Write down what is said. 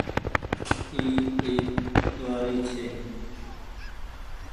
اي ايڪ ڏوهآري ڇي۔